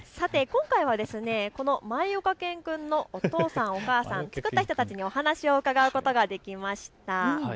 今回はこのまいおか犬くんのお父さん、お母さん、作った人たちにお話をうかがうことができました。